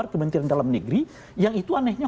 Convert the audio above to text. kementerian dalam negeri yang itu anehnya